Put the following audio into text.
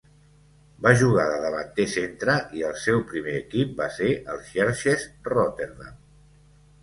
Va jugar de davanter centre i el seu primer equip va ser el Xerxes Rotterdam.